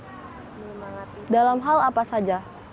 menyemangati dalam hal apa saja